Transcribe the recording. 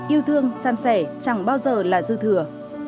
yêu thương san sẻ chẳng bao giờ là dư thừa